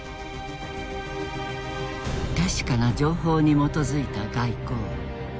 確かな情報に基づいた外交。